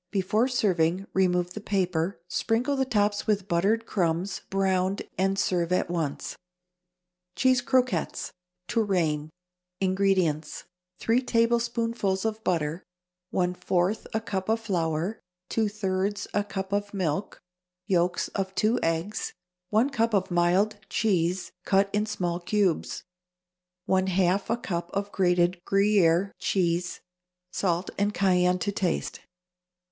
Before serving, remove the paper, sprinkle the tops with buttered crumbs, browned, and serve at once. =Cheese Croquettes.= (TOURAINE.) INGREDIENTS. 3 tablespoonfuls of butter. 1/4 a cup of flour. 2/3 a cup of milk. Yolks of 2 eggs. 1 cup of mild cheese, cut in small cubes. 1/2 a cup of grated Gruyère cheese. Salt and cayenne to taste.